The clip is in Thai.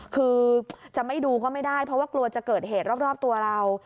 คือจะไม่ดูก็ไม่ได้เพราะว่ากลัวจะเกิดเหตุรอบตัวเรา